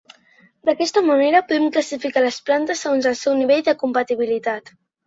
D’aquesta manera, podem classificar les plantes segons el seu nivell de compatibilitat.